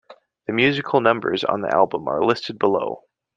The musical numbers on the album are listed below.